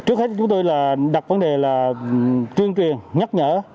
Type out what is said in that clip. trước hết chúng tôi là đặt vấn đề là tuyên truyền nhắc nhở